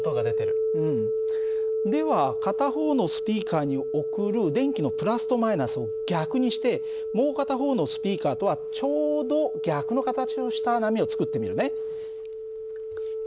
では片方のスピーカーに送る電気のプラスとマイナスを逆にしてもう片方のスピーカーとはちょうど逆の形をした波をつくってみるね。